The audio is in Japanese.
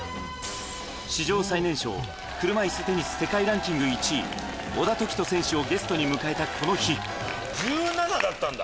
史上最年少、車いすテニス世界ランキング１位、小田凱人選手をゲストに迎えたこ１７だったんだ。